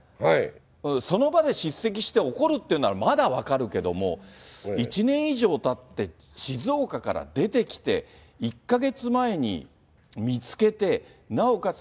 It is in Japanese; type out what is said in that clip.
その場で叱責して怒るっていうなら、まだ分かるけども、１年以上たって、静岡から出てきて、１か月前に見つけて、なおかつ